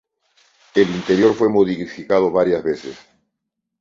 El interior fue modificado varias veces.